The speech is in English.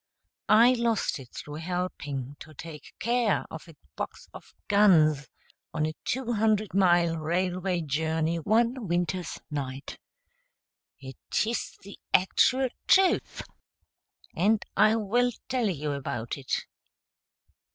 I lost it through helping to take care of a box of guns on a two hundred mile railway journey one winter's night. It is the actual truth, and I will tell you about it.